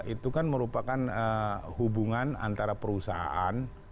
itu kan merupakan hubungan antara perusahaan